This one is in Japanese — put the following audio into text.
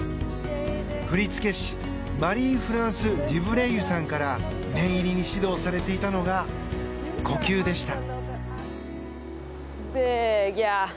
振付師マリーフランス・デュブレイユさんから念入りに指導されていたのが呼吸でした。